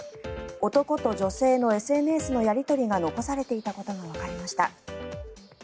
男と女性のＳＮＳのやり取りが残されていたことがわかりました。